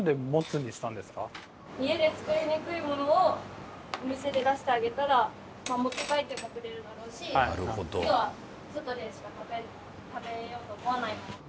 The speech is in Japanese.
家で作りにくいものをお店で出してあげたら持って帰ってもくれるだろうし要は外でしか食べようと思わないもの。